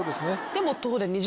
でも。